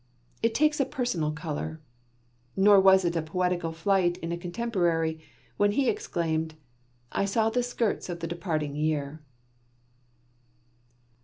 It takes a personal colour, nor was it a poetical flight in a contemporary, when he exclaimed: 'I saw the skirts of the departing year!'"